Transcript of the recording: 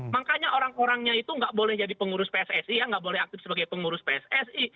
makanya orang orangnya itu nggak boleh jadi pengurus pssi ya nggak boleh aktif sebagai pengurus pssi